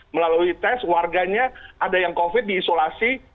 melalui tes warganya ada yang covid diisolasi